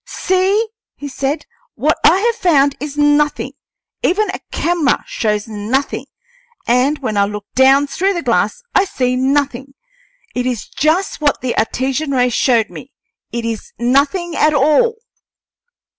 "See!" he said. "What I have found is nothing; even a camera shows nothing, and when I look down through the glass I see nothing. It is just what the Artesian ray showed me; it is nothing at all!"